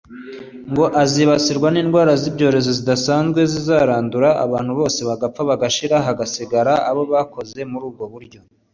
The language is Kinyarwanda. ngo azibasirwa n’indwara z’ibyorezo zidasanzwe zizarandura abantu bose bagapfa bagashira hagasigara abo bakoze muri ubwo buryo